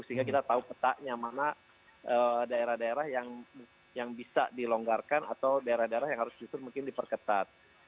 sehingga kita tahu petanya mana daerah daerah yang bisa dilonggarkan atau daerah daerah yang harus justru mungkin diperketat